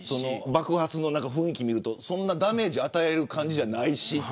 爆発の雰囲気を見るとダメージが与えられる感じじゃないし。